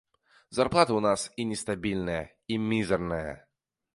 Зарплата ў нас і нестабільная, і мізэрная.